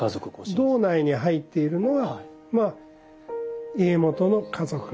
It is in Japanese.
堂内に入っているのはまあ家元の家族。